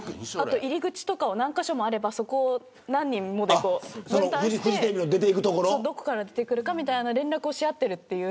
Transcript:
入り口とか何カ所もあれば何人もで分担してどこから出てくるかみたいな連絡をしあってる。